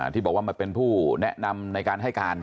ที่บอกว่ามาเป็นผู้แนะนำในการให้การ